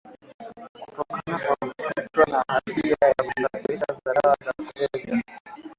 kutokana na kwa kukutwa na hatia ya kusafirisha dawa za kulevya